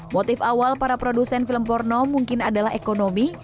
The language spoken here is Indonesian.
motif awal para produsen film porno mungkin adalah ekonomi